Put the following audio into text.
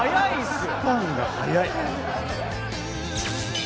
スパンが早い！